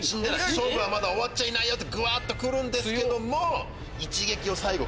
勝負は終わっちゃいないとぐわっと来るんですけども。